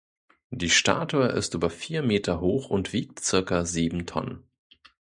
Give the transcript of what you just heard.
Die Statue ist über vier Meter hoch und wiegt circa sieben Tonnen.